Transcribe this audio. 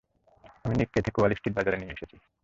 আমি নিক্কেই থেকে Wall Street বাজার নিয়ে এসেছি।